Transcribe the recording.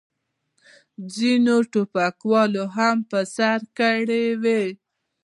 ځینو ټوپکوالو هم په سر کړې وې.